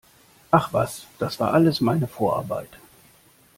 Ach was, das war alles meine Vorarbeit!